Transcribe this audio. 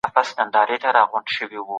فشار د انسان فکر بوخت ساتي.